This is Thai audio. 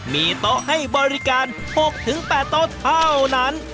มีโต๊ะให้บริการ๖๘โต๊ะเท่านั้น